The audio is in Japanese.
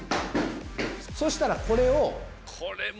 そしたらこれを。